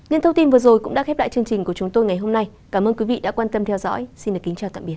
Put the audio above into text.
những thông tin vừa rồi cũng đã khép lại chương trình của chúng tôi ngày hôm nay cảm ơn quý vị đã quan tâm theo dõi xin kính chào tạm biệt